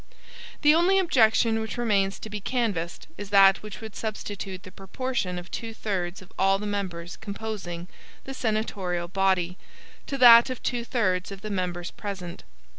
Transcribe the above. The only objection which remains to be canvassed, is that which would substitute the proportion of two thirds of all the members composing the senatorial body, to that of two thirds of the members present.